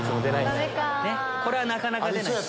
これはなかなか出ないです。